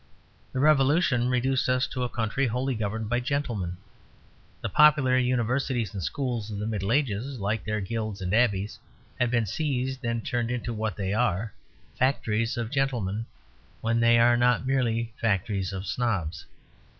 The Revolution reduced us to a country wholly governed by gentlemen; the popular universities and schools of the Middle Ages, like their guilds and abbeys, had been seized and turned into what they are factories of gentlemen, when they are not merely factories of snobs.